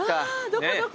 どこどこ何？